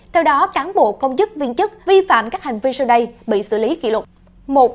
theo đó cán bộ công chức viên chức vi phạm các hành vi sau đây bị xử lý kỷ lục